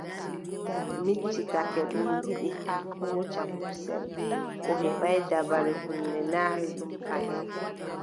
Miccitake ɗum yiɗi haa hooca kusel O heɓaay dabare, huunde naawi ɗum fayin.